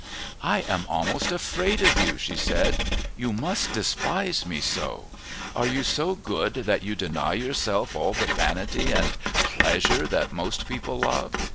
"I am almost afraid of you," she said. "You must despise me so. Are you so good that you deny yourself all the vanity and pleasure that most people love?